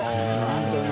本当に。